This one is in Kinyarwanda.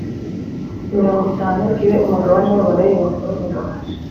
mirongo itanu kibe umugabane w abalewi bakora umurimo